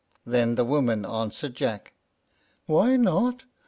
Then the woman answered Jack, "Why not?